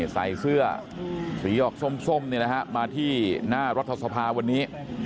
ใส่เสื้อสีออกส้มมาที่หน้ารัฐสภาวันนี้